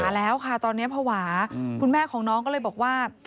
แล้วค่ะตอนนี้ภาวะคุณแม่ของน้องก็เลยบอกว่า